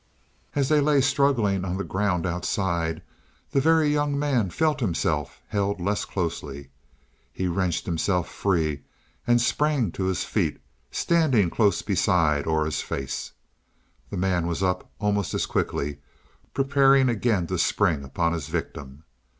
As they lay struggling on the ground outside, the Very Young Man felt himself held less closely. He wrenched himself free and sprang to his feet, standing close beside Aura's face. The man was up almost as quickly, preparing again to spring upon his victim.